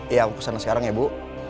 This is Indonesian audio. iya kesana sekarang ya bu